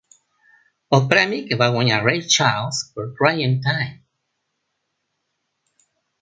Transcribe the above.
El premi el va guanyar Ray Charles per "Crying Time".